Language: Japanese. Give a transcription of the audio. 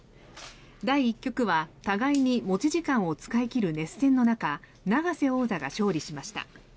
第１局は互いに持ち時間を使い切る熱戦の中永瀬王座が勝利しました。